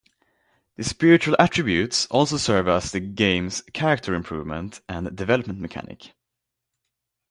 The Spiritual Attributes also serve as the game's character improvement and development mechanic.